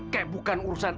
kayak bukan urusan